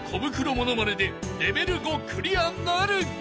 モノマネでレベル５クリアなるか？］